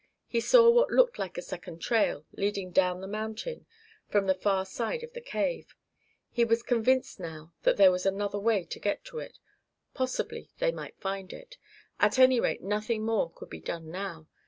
He saw what looked like a second trail, leading down the mountain, from the far side of the cave. He was convinced now that there was another way to get to it. Possibly they might find it. At any rate nothing more could be done now.